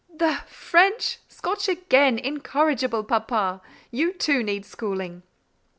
"The French! Scotch again: incorrigible papa. You, too, need schooling."